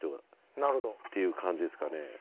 なるほど。っていう感じですかね。